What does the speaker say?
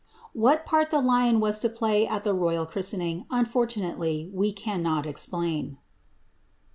What part the lion was to play at the royal christening, unfortunatelyi we cannot explain.